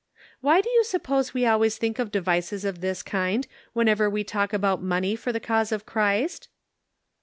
" Why do you suppose we always think of devices of this kind whenever we talk about money for the cause of Christ